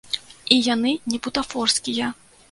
І яны не бутафорскія.